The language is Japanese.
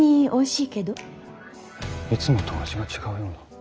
いつもとは味が違うような。